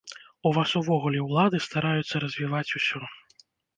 У вас увогуле ўлады стараюцца развіваць ўсё.